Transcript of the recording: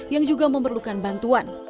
yang juga memerlukan bantuan